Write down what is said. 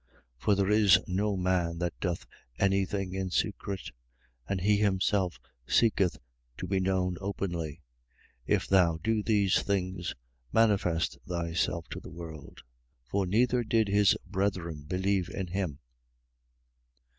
7:4. For there is no man that doth any thing in secret, and he himself seeketh to be known openly. If thou do these things, manifest thyself to the world. 7:5. For neither did his brethren believe in him.